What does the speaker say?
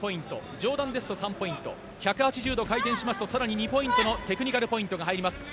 上段ですと３ポイント１８０度回転しますと更に２ポイントのテクニカルポイントが入ります。